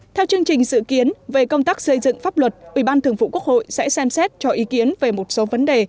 theo chương trình dự kiến về công tác xây dựng pháp luật ủy ban thường vụ quốc hội sẽ xem xét cho ý kiến về một số vấn đề